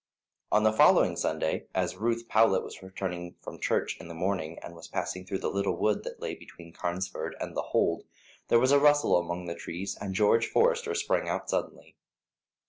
On the following Sunday, as Ruth Powlett was returning from church in the morning, and was passing through the little wood that lay between Carnesford and The Hold, there was a rustle among the trees, and George Forester sprang out suddenly.